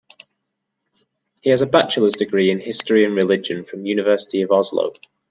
He has a bachelor's degree in history and religion from University of Oslo.